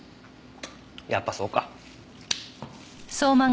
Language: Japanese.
やっぱそうか。